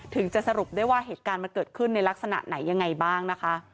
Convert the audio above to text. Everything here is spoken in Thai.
จะสรุปได้ว่าเหตุการณ์มันเกิดขึ้นในลักษณะไหนยังไงบ้างนะคะ